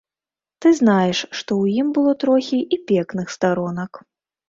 Ты знаеш, што ў ім было трохі і пекных старонак.